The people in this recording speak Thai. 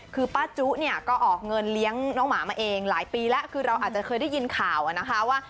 คือป้าจุเนี่ยก็ออกเงินเลี้ยงน้องหมามาเองหลายปีแล้วคือเราอาจจะเคยได้ยินข่าวนะคะว่า